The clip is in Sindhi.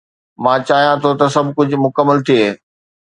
مان چاهيان ٿو ته سڀ ڪجهه مڪمل ٿئي